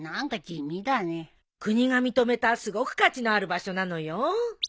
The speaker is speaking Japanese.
国が認めたすごく価値のある場所なのよ。